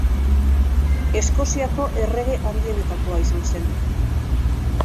Eskoziako errege handienetakoa izan zen.